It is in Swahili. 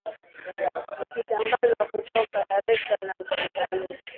ikitangaza kutoka dar es salaam tanzania